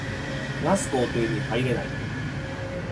話す工程に入れない